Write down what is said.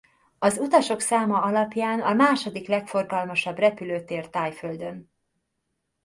Az utasok száma alapján a második legforgalmasabb repülőtér Thaiföldön.